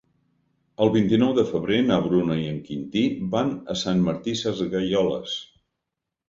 El vint-i-nou de febrer na Bruna i en Quintí van a Sant Martí Sesgueioles.